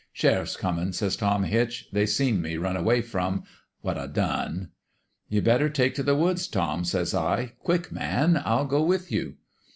"'Sheriff's comin',' says Tom Hitch. 'They seen me run away from what I done.' "' You better take t' the woods, Tom/ says I. 1 Quick, man I I'll go with you.'